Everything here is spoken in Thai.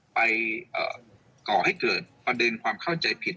ก่อให้เกิดประเด็นความเข้าใจผิด